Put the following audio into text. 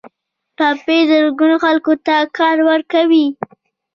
ټاپي زرګونه خلکو ته کار ورکوي